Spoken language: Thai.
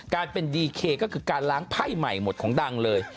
การเป็นดีเคก็คือการล้างไพ่ใหม่หมดของดังเลย